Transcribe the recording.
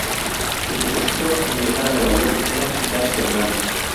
Su propósito al viajar a Nueva York era visitar a su hermana.